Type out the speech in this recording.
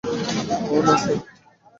অহ, না, স্যার।